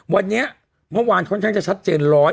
วันนี้เมื่อวานค่อนข้างจะชัดเจน๑๐